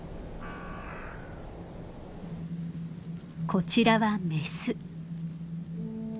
こちらはメス。